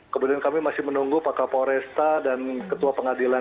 kemudian kami masih menunggu pak kapolresta dan ketua pengadilan